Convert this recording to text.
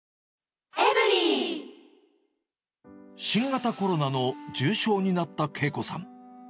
新型コロナの重症になった慶子さん。